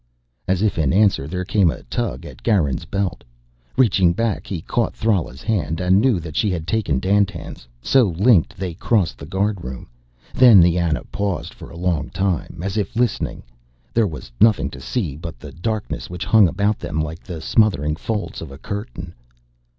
As if in answer, there came a tug at Garin's belt. Reaching back, he caught Thrala's hand and knew that she had taken Dandtan's. So linked they crossed the guard room. Then the Ana paused for a long time, as if listening. There was nothing to see but the darkness which hung about them like the smothering folds of a curtain.